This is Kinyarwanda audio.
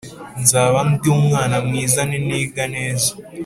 nzaba ndi umwana mwiza niniga neza